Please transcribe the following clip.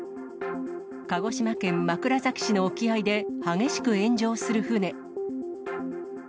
鹿児島県枕崎市の沖合で激しく炎上する船。